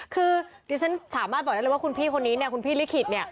คือดิฉันสามารถบอกได้เลยว่าคุณพี่คนนี้เนี่ยคุณพี่ลิขิตเนี่ย